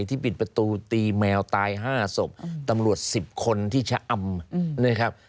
ที่ปิดประตูตีแมวตาย๕ศพตำรวจ๑๐คนที่ชะอำ